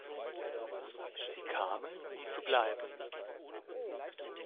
Sie kamen, um zu bleiben.